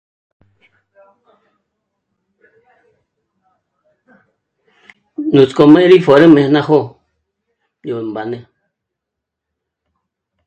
Nútsko me rí pjö̀rüjme nájo yò mbane